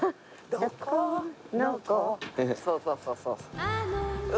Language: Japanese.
そうそうそうそう。